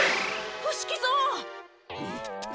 伏木蔵！